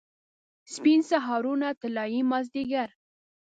سپین سهارونه، طلايي مازدیګر